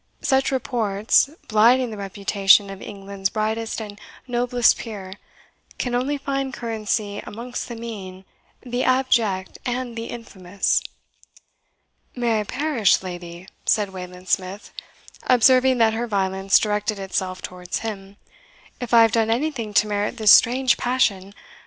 Such reports, blighting the reputation of England's brightest and noblest peer, can only find currency amongst the mean, the abject, and the infamous!" "May I perish, lady," said Wayland Smith, observing that her violence directed itself towards him, "if I have done anything to merit this strange passion!